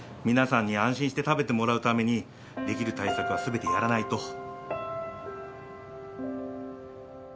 皆さんに安心して食べてもらうためにできる対策は全てやらないと。